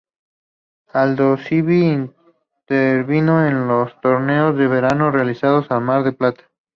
Aldosivi intervino en los Torneos de Verano realizados en Mar del Plata.